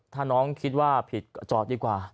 ถ้าน้องคิดว่าผิดก็จอดดีกว่า